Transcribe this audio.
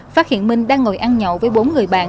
phát hiện minh đang ngồi ăn nhậu với bốn người bạn